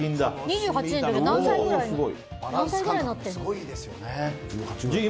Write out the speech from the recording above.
２８年だと何歳ぐらいになってるんだろう。